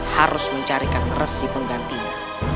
harus mencarikan nersi penggantinya